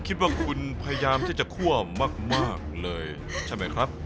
คิดว่าคุณพยายามที่จะคั่วมากเลยใช่ไหมครับ